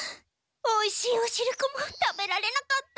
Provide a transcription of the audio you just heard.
おいしいおしるこも食べられなかった。